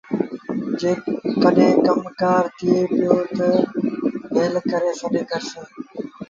جيڪڏهين ڪم ڪآر ٿئي پيٚو تا ڀيٚل ڪري سڏ ڪرسيٚݩ